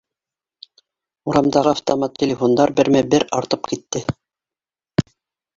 Урамдағы автомат телефондар бермә-бер артып китте